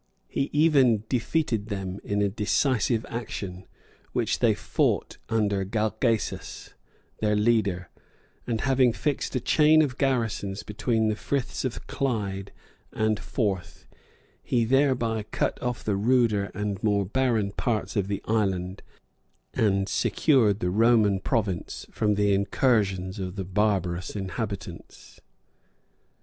He even defeated them in a decisive action, which they fought under Galgacus, their leader; and having fixed a chain of garrisons between the Friths of Clyde and Forth, he thereby cut off the ruder and more barren parts of the island, and secured the Roman province from the incursions of the barbarous inhabitants.